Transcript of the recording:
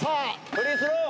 フリースロー！